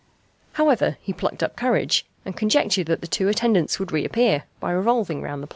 However, he plucked up courage, and conjectured that the two attendants would reappear, by revolving round the planet.